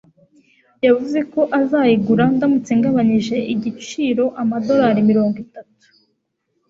yavuze ko azayigura, ndamutse ngabanije igiciro amadolari mirongo itatu.